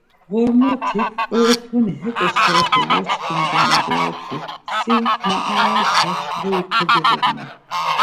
Ğormotik oroponi heǩo şeepe yoçkindunu dore ki, si na araopaşen guri kogiğunna.